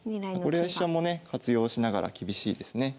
これは飛車もね活用しながら厳しいですね。